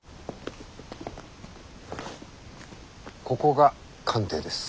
ここが官邸です。